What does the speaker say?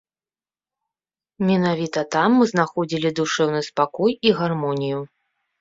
Менавіта там мы знаходзілі душэўны спакой і гармонію.